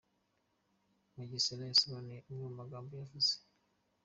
Mugesera yasobanuye amwe mu magambo yavuze.